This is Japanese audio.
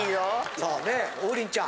さあねえ王林ちゃん。